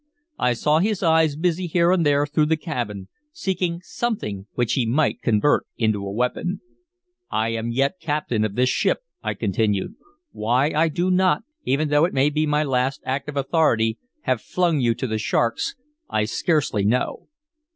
I saw his eyes busy here and there through the cabin, seeking something which he might convert into a weapon. "I am yet captain of this ship," I continued. "Why I do not, even though it be my last act of authority, have you flung to the sharks, I scarcely know."